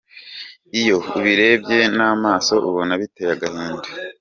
Iyo ubirebye n’amaso ubona biteye agahinda.